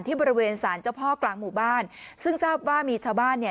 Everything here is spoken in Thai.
บริเวณสารเจ้าพ่อกลางหมู่บ้านซึ่งทราบว่ามีชาวบ้านเนี่ย